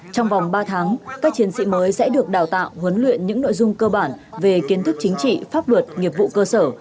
trong vòng ba tháng các chiến sĩ mới sẽ được đào tạo huấn luyện những nội dung cơ bản về kiến thức chính trị pháp luật nghiệp vụ cơ sở